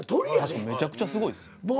確かにめちゃくちゃすごいです。